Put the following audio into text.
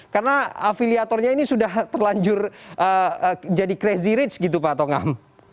karena afiliatornya ini sudah terlanjur jadi crazy rich gitu pak tongam